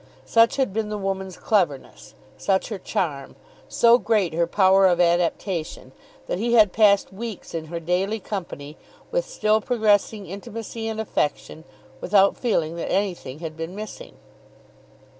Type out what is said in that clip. Such had been the woman's cleverness, such her charm, so great her power of adaptation, that he had passed weeks in her daily company, with still progressing intimacy and affection, without feeling that anything had been missing.